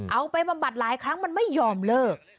บำบัดหลายครั้งมันไม่ยอมเลิก